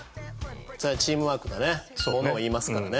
チームワークがねものを言いますからね。